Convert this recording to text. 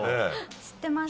知ってます。